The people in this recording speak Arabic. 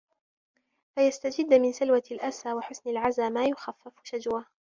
فَيَسْتَجِدَّ مِنْ سَلْوَةِ الْأَسَى وَحُسْنِ الْعَزَا مَا يُخَفِّفُ شَجْوَهُ